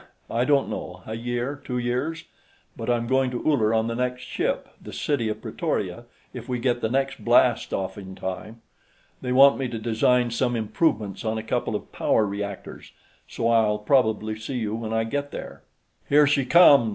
I don't know, a year, two years. But I'm going to Uller on the next ship the City of Pretoria if we get the next blast off in time. They want me to design some improvements on a couple of power reactors, so I'll probably see you when I get there." "Here she comes!"